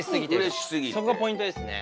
そこポイントですね。